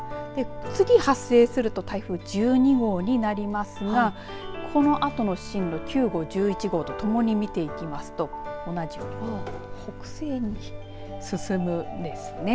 次発生すると台風１２号になりますがこのあとの進路、９号１１号と共に見ていきますと同じように北西に進むんですね。